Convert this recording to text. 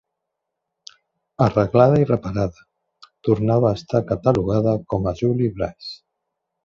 Arreglada i reparada, tornava a estar catalogada com a "Jolie Brise".